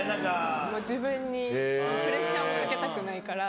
自分にプレッシャーもかけたくないから。